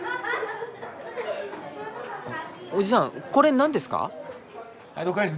おじさんこれ何ですか？